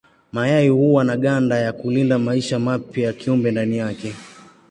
Mayai huwa na ganda ya kulinda maisha mapya ya kiumbe ndani yake.